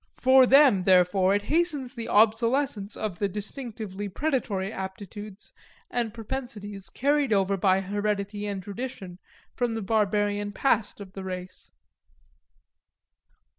For them, therefore, it hastens the obsolescence of the distinctively predatory aptitudes and propensities carried over by heredity and tradition from the barbarian past of the race.